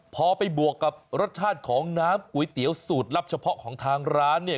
พอไปบวกกับรสชาติของน้ำก๋วยเตี๋ยวสูตรลับเฉพาะของทางร้านเนี่ย